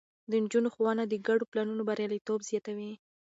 د نجونو ښوونه د ګډو پلانونو برياليتوب زياتوي.